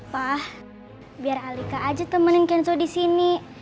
pa biar alika aja temenin kenzo disini